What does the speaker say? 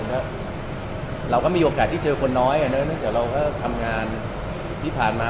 เราก็มีโอกาสที่เจอคนน้อยแต่เราก็ทำงานที่ผ่านมา